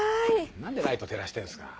何でライト照らしてるんすか？